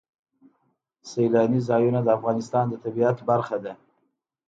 سیلانی ځایونه د افغانستان د طبیعت برخه ده.